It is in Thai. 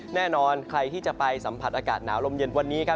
แน่นอนใครที่จะไปสัมผัสอากาศหนาวลมเย็นวันนี้ครับ